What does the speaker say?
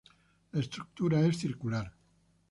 La estructura es circular.